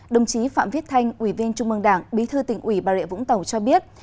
đồng chí phạm viết thanh ủy viên trung mương đảng bí thư tỉnh ủy bà rịa vũng tàu cho biết